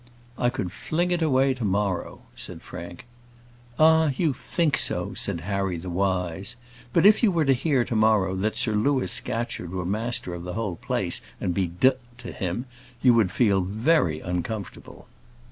"I could fling it away to morrow," said Frank. "Ah! you think so," said Harry the Wise. "But if you were to hear to morrow that Sir Louis Scatcherd were master of the whole place, and be d to him, you would feel very uncomfortable."